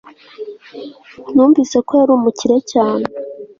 numvise ko yari umukire cyane